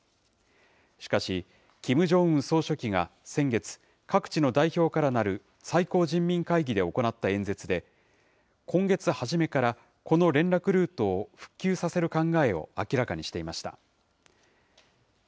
しかし、キム・ジョンウン総書記が先月、各地の代表からなる最高人民会議で行った演説で、今月初めからこの連絡ルートを復旧させる考えを明らかにしていました。